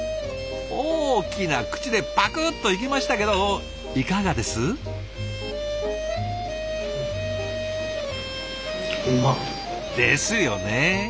大きな口でパクッといきましたけどいかがです？ですよね！